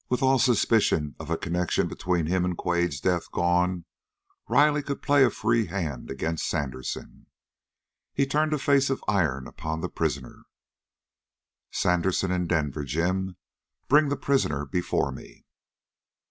With all suspicion of a connection between him and Quade's death gone, Riley could play a free hand against Sandersen. He turned a face of iron upon the prisoner. "Sandersen and Denver Jim, bring the prisoner before me."